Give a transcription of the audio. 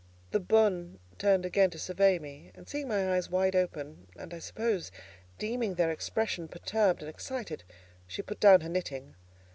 The bonne turned again to survey me, and seeing my eyes wide open, and, I suppose, deeming their expression perturbed and excited, she put down her knitting.